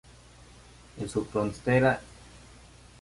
En su frontera este está el río Santa Ana.